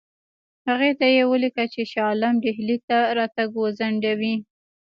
هغې ته یې ولیکل چې شاه عالم ډهلي ته راتګ وځنډوي.